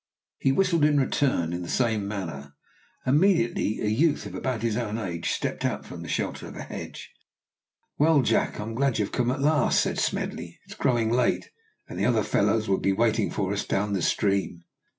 He whistled in return, in the same manner, and immediately a youth of about his own age stepped out from the shelter of a hedge. "Well, Jack, I am glad you have come at last," said Smedley; "it's growing late, and the other fellows will be waiting for us down the stream."